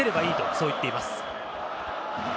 そう言っています。